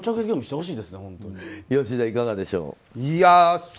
吉田、いかがでしょう。